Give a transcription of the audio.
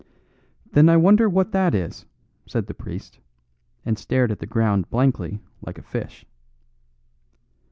"Then I wonder what that is?" said the priest, and stared at the ground blankly like a fish.